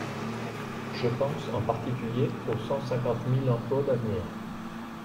Je pense en particulier aux cent cinquante mille emplois d’avenir.